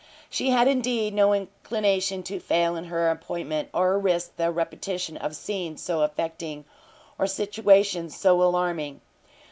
She had, indeed, no inclination to fail in her appointment, or risk the repetition of scenes so affecting, or situations so alarming.